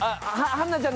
春菜ちゃん。